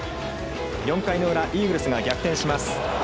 ４回の裏、イーグルスが逆転します。